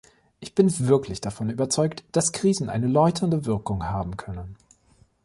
Ich bin wirklich davon überzeugt, dass Krisen eine läuternde Wirkung haben können.